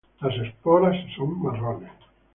Las esporas son marrones